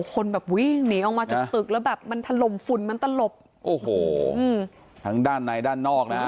คนแบบวิ่งหนีออกมาจากตึกแล้วแบบมันถล่มฝุ่นมันตลบโอ้โหทั้งด้านในด้านนอกนะฮะ